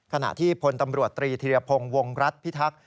ขณะที่พลตำรวจตรีธีรพงศ์วงรัฐพิทักษ์